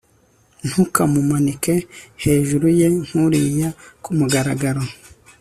Ntukamumanike hejuru ye nkuriya kumugaragaro